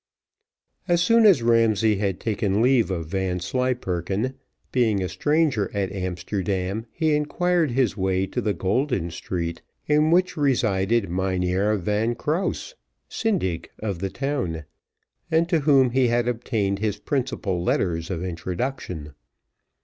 As soon as Ramsay had taken leave of Vanslyperken, being a stranger at Amsterdam, he inquired his way to the Golden Street, in which resided Mynheer Van Krause, syndic of the town, and to whom he had obtained his principal letters of introduction.